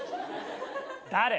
誰？